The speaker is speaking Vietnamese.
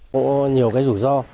có nhiều cái rủi ro